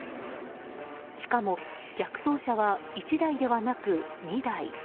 しかも逆走車は１台ではなく２台。